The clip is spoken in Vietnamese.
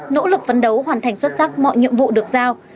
nỗ lực phấn đấu hoàn thành xuất sắc mọi nhiệm vụ được giao